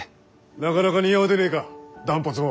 なかなか似合うでねえか断髪も。